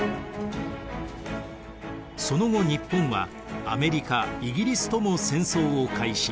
その後日本はアメリカイギリスとも戦争を開始